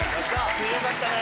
強かったね。